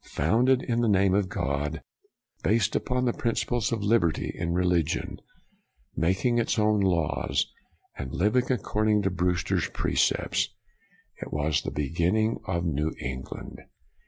Founded in the name of God, based upon the principle of liberty in religion, making its own laws, and living according to Brewster's precepts, it was the beginning of New England.